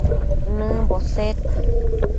nëmbo sed